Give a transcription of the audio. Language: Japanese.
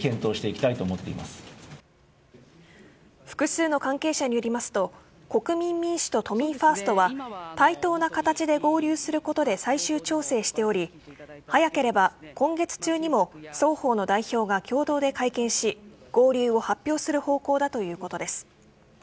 複数の関係者によりますと国民民主と都民ファーストは対等な形で合流することで最終調整しており早ければ今月中にも双方の代表が共同で会見し合流を発表する方向だということです。